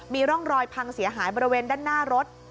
มีร่องรอยพังเสียหายบริเวณด้านหน้ารถ